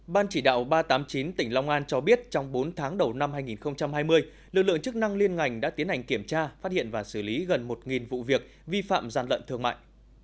ban chỉ đạo ba trăm tám mươi chín tỉnh long an cho biết trong bốn tháng đầu năm hai nghìn hai mươi lực lượng chức năng liên ngành đã tiến hành kiểm tra phát hiện và xử lý gần một vụ việc vi phạm gian lận thương mại